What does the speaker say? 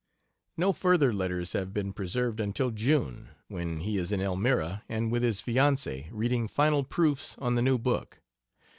...................... No further letters have been preserved until June, when he is in Elmira and with his fiancee reading final proofs on the new book.